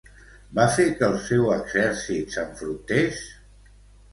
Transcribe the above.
Va fer que el seu exèrcit s'enfrontés?